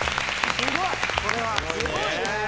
すごいね。